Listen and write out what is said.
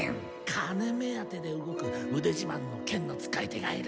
金目当てで動く腕じまんの剣の使い手がいる。